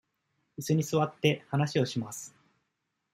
いすに座って、話をします。